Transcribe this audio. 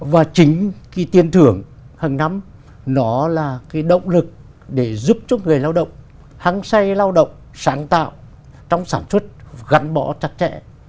và chính cái tiền thưởng hàng năm nó là cái động lực để giúp cho người lao động hăng say lao động sáng tạo trong sản xuất gắn bó chặt chẽ